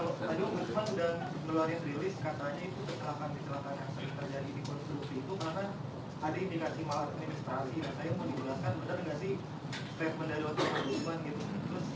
kalau ada uang dan peluang yang dirilis katanya itu terlalu banyak yang terjadi di konstruksi itu